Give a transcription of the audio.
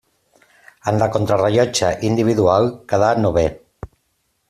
En la contrarellotge individual quedà novè.